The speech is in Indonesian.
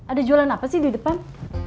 ada jualan apa sih di depan